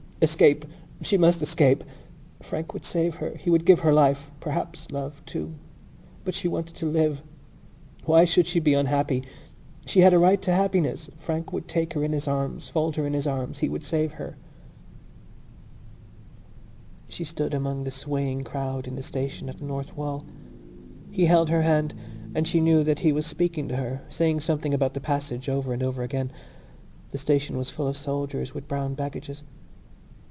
Escape! She must escape! Frank would save her. He would give her life, perhaps love, too. But she wanted to live. Why should she be unhappy? She had a right to happiness. Frank would take her in his arms, fold her in his arms. He would save her. She stood among the swaying crowd in the station at the North Wall. He held her hand and she knew that he was speaking to her, saying something about the passage over and over again. The station was full of soldiers with brown baggages.